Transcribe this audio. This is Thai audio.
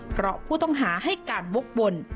เพราะผู้ต้องหาให้การวกวน